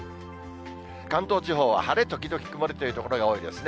関東地方は晴れ時々曇りという所が多いですね。